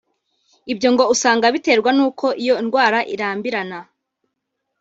Ibyo ngo usanga biterwa n’uko iyi ndwara irambirana